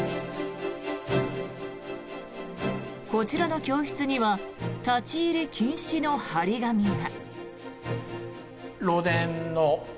こちらの教室には立ち入り禁止の貼り紙が。